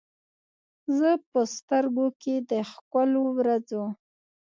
زه به په سترګو کې، د ښکلو ورځو،